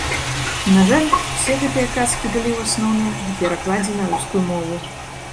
На жаль, усе гэтыя казкі былі, у асноўным, у перакладзе на рускую мову.